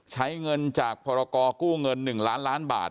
ใช้เงินจากพรกรกู้เงิน๑ล้านล้านบาท